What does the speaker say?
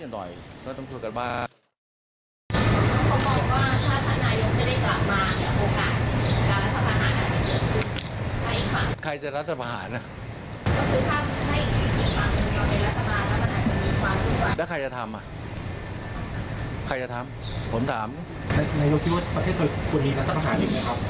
พลเอกประวิทยุทธิ์ว่าประเทศเคยควรมีรัฐประหารอีกไหมครับ